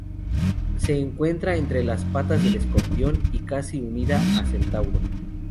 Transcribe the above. Se encuentra entre las patas del escorpión y casi unida a centauro.